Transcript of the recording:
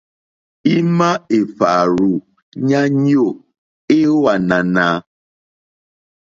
Ima èhvàrzù ya nyoò e ò ànànà?